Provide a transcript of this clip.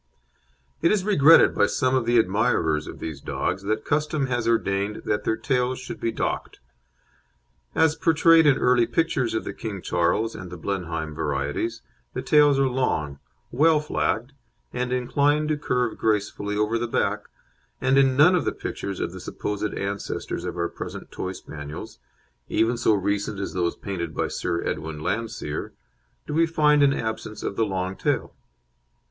It is regretted by some of the admirers of these dogs that custom has ordained that their tails should be docked. As portrayed in early pictures of the King Charles and the Blenheim varieties, the tails are long, well flagged, and inclined to curve gracefully over the back, and in none of the pictures of the supposed ancestors of our present Toy Spaniels even so recent as those painted by Sir Edwin Landseer do we find an absence of the long tail.